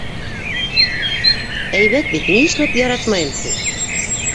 — Әйбәт бит, ни эшләп яратмайым, — ти.